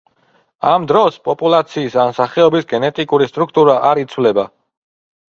ამ დროს პოპულაციის ან სახეობის გენეტიკური სტრუქტურა არ იცვლება.